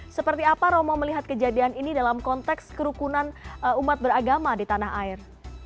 seperti apa romo melihat kejadian ini dalam konteks kerukunan umat beragama di tanah air